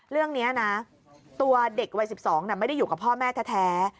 เรื่องนี้นะตัวเด็กวัย๑๒ไม่ได้อยู่กับพ่อแม่แท้